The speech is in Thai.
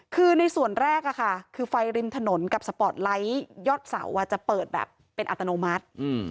คือในส่วนแรกคือไฟริมถนนกับสปอร์ตไลท์ยอดเสาจะเปิดแบบเป็นอัตโนมัติ